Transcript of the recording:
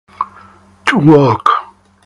To work.